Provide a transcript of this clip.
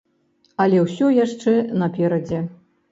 Але ўсё яшчэ наперадзе.